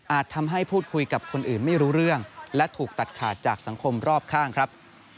ทำให้พูดคุยกับคนอื่นไม่รู้เรื่องและถูกตัดขาดจากสังคมรอบข้างครับ